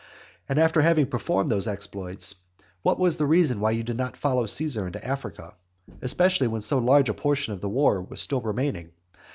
And after having performed these exploits, what was the reason why you did not follow Caesar into Africa; especially when so large a portion of the war was still remaining?